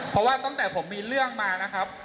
เพราะว่าตั้งแต่ผมมีเรื่องมานะครับ